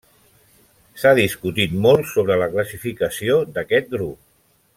S'ha discutit molt sobre la classificació d'aquest grup.